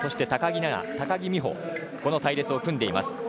高木菜那、高木美帆この隊列を組んでいます。